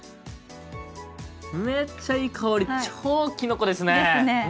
めっちゃいい香り超きのこですね。ですね。